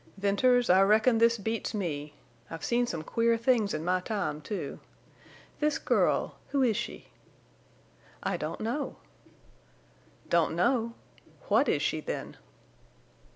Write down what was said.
"Venters, I reckon this beats me. I've seen some queer things in my time, too. This girl—who is she?" "I don't know." "Don't know! What is she, then?"